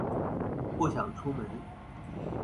不想出門